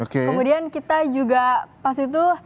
kemudian kita juga pas itu